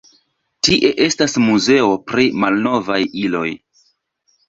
Tie estas muzeo pri malnovaj iloj.